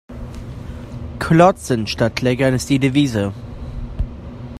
Klotzen statt Kleckern ist die Devise.